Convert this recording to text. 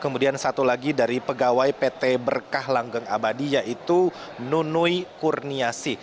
kemudian satu lagi dari pegawai pt berkah langgeng abadi yaitu nunui kurniasi